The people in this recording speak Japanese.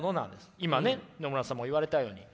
今ね野村さんも言われたように。